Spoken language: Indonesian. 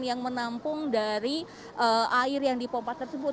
yang menampung dari air yang di pompa tersebut